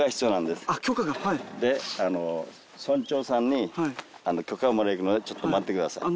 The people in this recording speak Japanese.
で村長さんに許可をもらいに行くのでちょっと待ってください。